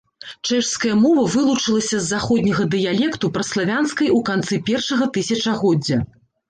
Чэшская мова вылучылася з заходняга дыялекту праславянскай у канцы першага тысячагоддзя.